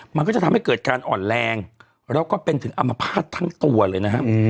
มันก็จะทำให้เกิดการอ่อนแรงแล้วก็เป็นถึงอมภาษณ์ทั้งตัวเลยนะครับ